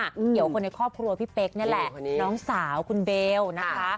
เกี่ยวคนในครอบครัวพี่เป๊กนี่แหละน้องสาวคุณเบลนะคะ